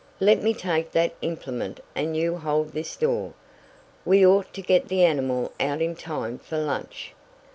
"Let me take that implement and you hold this door. We ought to get the animal out in time for lunch."